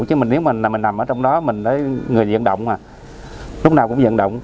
chứ nếu mà mình nằm ở trong đó mình là người dân động mà lúc nào cũng dân động